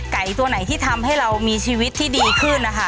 ตัวไหนที่ทำให้เรามีชีวิตที่ดีขึ้นนะคะ